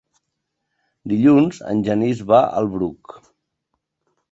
Dilluns en Genís va al Bruc.